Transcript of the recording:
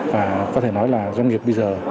và có thể nói là doanh nghiệp bây giờ